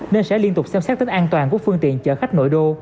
nên sẽ liên tục xem xét tính an toàn của phương tiện chở khách nội đô